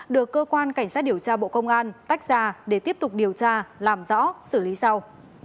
được cơ quan cảnh sát điều tra bộ công an tách ra để tiếp tục điều tra làm rõ xử lý sau